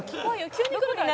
急にくるからね。